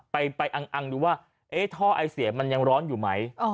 ไปอังดูว่าท่อไอเสียมันยังร้อนอยู่ไหม